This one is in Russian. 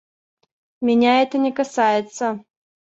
Меня это не касается.